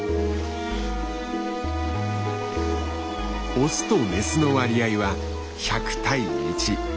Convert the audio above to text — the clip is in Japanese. オスとメスの割合は１００対１。